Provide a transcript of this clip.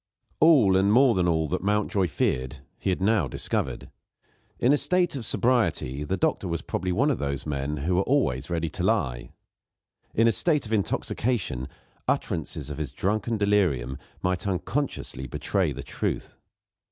All and more than all that Mountjoy feared, he had now discovered. In a state of sobriety, the doctor was probably one of those men who are always ready to lie. In a state of intoxication the utterances of his drunken delirium might unconsciously betray the truth.